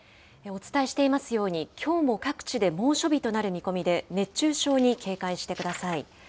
お伝えしていますように、きょうも各地で猛暑日となる見込みで、熱中症に警戒してください。